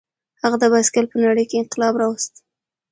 هغه د بایسکل په نړۍ کې انقلاب راوست.